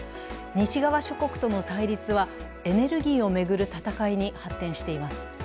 西側諸国との対立はエネルギーを巡る戦いに発展しています。